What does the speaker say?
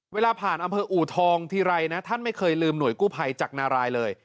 เวลาผ่านอำเภออูทองทีไรนะท่านไม่เคยลืมหน่วยกู้ภัยจากนารายเลย